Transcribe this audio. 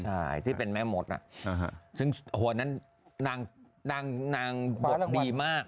ใช่ที่เป็นแม่มดซึ่งหัวนั้นนางบทดีมาก